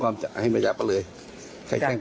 ครูจะฆ่าแม่ไม่รักตัวเอง